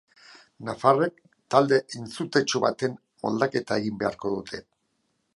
Nafarrek talde entzutetsu baten moldaketa egin beharko dute.